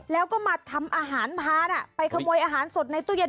แล้วก็มาทำอาหารทานไปขโมยอาหารสดในตู้เย็น